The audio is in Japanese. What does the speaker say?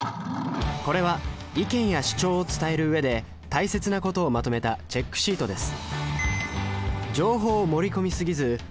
これは意見や主張を伝えるうえで大切なことをまとめたチェックシートです